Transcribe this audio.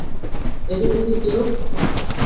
দেখি দেখি, কী রূপ!